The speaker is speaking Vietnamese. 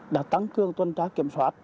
đã tăng cương tuần tra kiểm soát